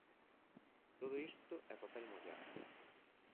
Todo isto é papel mollado.